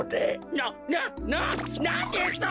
ななななんですと？